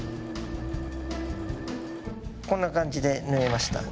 こんな感じで縫えました。